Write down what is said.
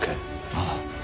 ああ。